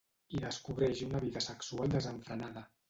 Hi descobreix una vida sexual desenfrenada.